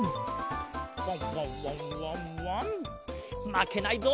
まけないぞ。